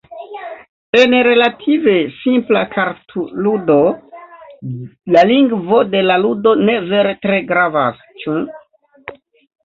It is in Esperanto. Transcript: En relative simpla kartludo la lingvo de la ludo ne vere tre gravas, ĉu?